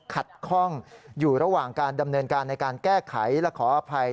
ขัดข้องอยู่ระหว่างการดำเนินการในการแก้ไขและขออภัย